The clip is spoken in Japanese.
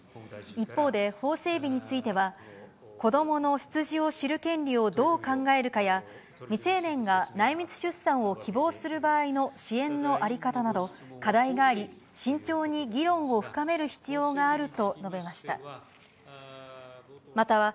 一方で、法整備については、子どもの出自を知る権利をどう考えるかや、未成年が内密出産を希望する場合の支援の在り方など課題があり、慎重に議論を深める必要があると述べました。